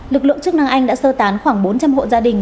lực lượng chức năng anh đã sơ tán khoảng bốn trăm linh hộ gia đình